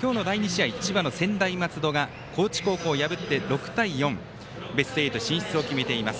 今日の第２試合、千葉の専大松戸高知高校を破って６対４ベスト８進出を決めています。